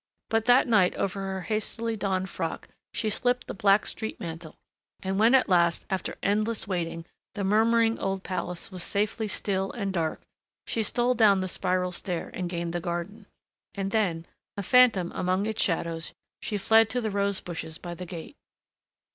But that night over her hastily donned frock she slipped the black street mantle and when at last, after endless waiting, the murmuring old palace was safely still and dark, she stole down the spiral stair and gained the garden. And then, a phantom among its shadows, she fled to the rose bushes by the gate.